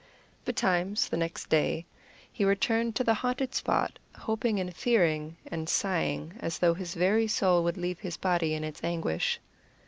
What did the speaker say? Betimes, the next day, he returned to the haunted spot, hoping and fearing, and sighing as though his very soul would leave his body in its anguish.